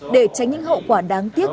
để tránh những hậu quả đáng tiếc